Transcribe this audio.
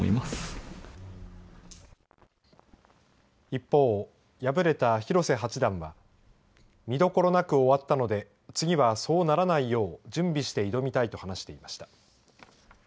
一方、敗れた広瀬八段は見どころなく終わったので次はそうならないよう準備して挑みたいと話していました。